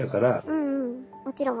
うんうんもちろん。